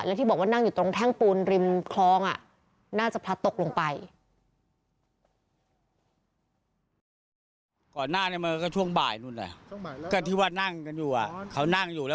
แล้วที่บอกว่านั่งอยู่ตรงแท่งปูนริมคลองน่าจะพลัดตกลงไป